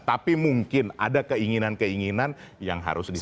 tapi mungkin ada keinginan keinginan yang harus disampaikan